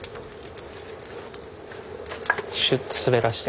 シュッと滑らして